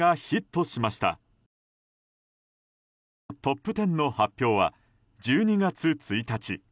トップ１０の発表は１２月１日。